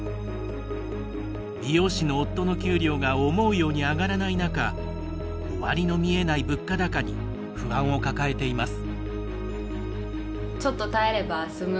美容師の夫の給料が思うように上がらない中終わりの見えない物価高に不安を抱えています。